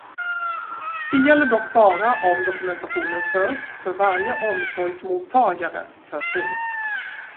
Det gäller dock bara om dokumentationen förs för varje omsorgsmottagare för sig.